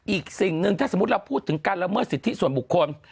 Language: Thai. อีกสิ่งหนึ่งถ้าสมมุติเราพูดถึงการละเมิดสิทธิส่วนบุคคล